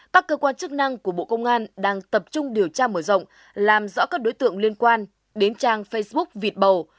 các cơ quan chức năng của bộ công an đang tập trung điều tra mở rộng làm rõ các đối tượng liên quan đến trang facebook vịt bầu